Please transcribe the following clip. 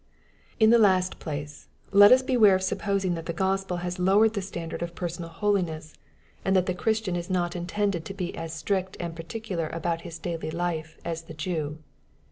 In the last place, let us beware of supposing that the Chspd has lowered the standard of personal holiness^ and MATTHEW, CHAP. V, 89 that the Ohristian is not intended to be as strict and particular about his daily life as the Jew.